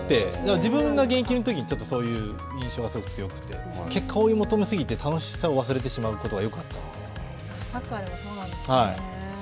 自分が現役のとき、そういう印象が強くて、結果を追い求め過ぎて、楽しさを忘れてしまうことがよくあったのサッカーでもそうなんですね。